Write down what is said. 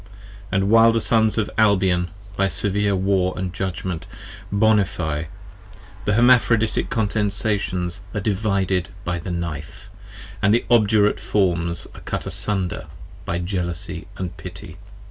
10 And while the Sons of Albion, by severe War & Judgment, bonify, The Hermaphroditic Condensations are divided by the Knife, The obdurate Forms are cut asunder by Jealousy & Pity.